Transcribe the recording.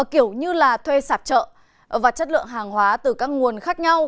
kiểu như là thuê sạp chợ và chất lượng hàng hóa từ các nguồn khác nhau